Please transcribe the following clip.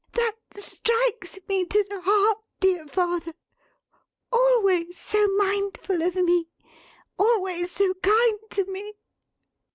"That strikes me to the heart, dear father! Always so mindful of me! Always so kind to me!"